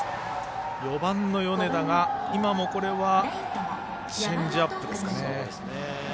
４番の米田が、今もこれはチェンジアップですかね。